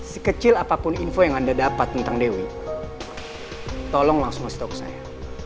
sekecil apapun info yang anda dapat tentang dewi tolong langsung kasih tau ke saya